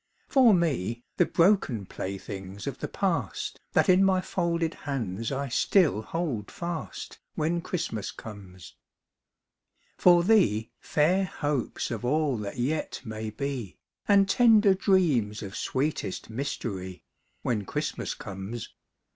For me, the broken playthings of the past That in my folded hands I still hold fast, When Christmas comes. For thee, fair hopes of all that yet may be, And tender dreams of sweetest mystery, When Christmas comes.